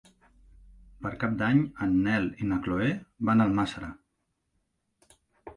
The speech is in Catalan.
Per Cap d'Any en Nel i na Chloé van a Almàssera.